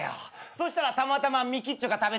そしたらたまたまミキっちょが食べたい。